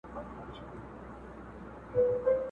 ورځه ورځه تر دکن تېر سې!.